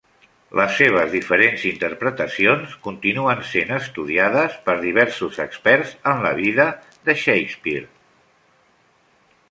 Les seves diferents interpretacions continuen sent estudiades per diversos experts en la vida de Shakespeare.